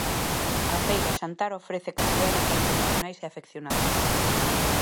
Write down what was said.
A feira Xantar ofrece actividades para profesionais e afeccionados.